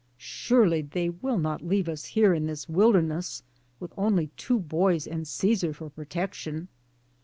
Surely they will not leave us here in this wilderness with only two boys and Caesar for protec tion.